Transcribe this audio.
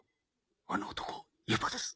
あの男ユパです。